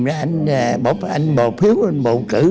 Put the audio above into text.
anh bầu phiếu anh bầu cử